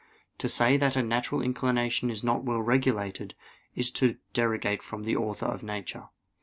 To say that a natural inclination is not well regulated, is to derogate from the Author of nature.